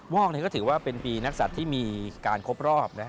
วอกก็ถือว่าเป็นปีนักศัตริย์ที่มีการครบรอบ